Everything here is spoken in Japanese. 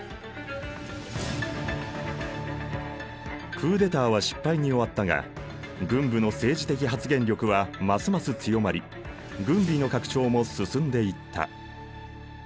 クーデターは失敗に終わったが軍部の政治的発言力はますます強まり軍備の拡張も進んでいった。